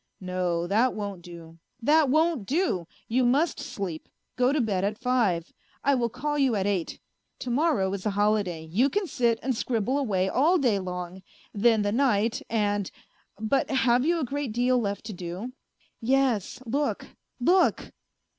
" No, that won't do, that won't do : you must sleep, go to bed at five. I will call you at eight. To morrow is a holiday; you can sit and scribble away all day long. ... Then the night and but have you a great deal left to do ?"" Yes, look, look